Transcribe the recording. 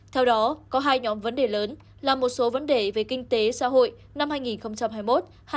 theo đó có hai nhóm vấn đề lớn là một số vấn đề về kinh tế xã hội năm hai nghìn hai mươi một hai nghìn ba mươi